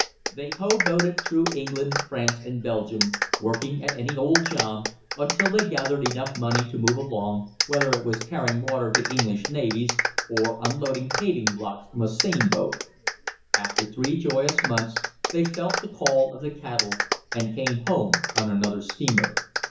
They "hoboed" it through England, France, and Belgium, working at any old job until they gathered money enough to move along, whether it was carrying water to English navvies or unloading paving blocks from a Seine boat. After three joyous months, they felt the call of the cattle, and came home on another steamer.